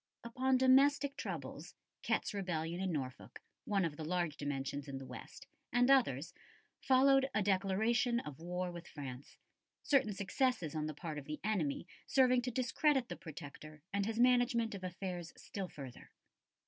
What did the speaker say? Upon domestic troubles Ket's rebellion in Norfolk, one of large dimensions in the west, and others followed a declaration of war with France, certain successes on the part of the enemy serving to discredit the Protector and his management of affairs still further.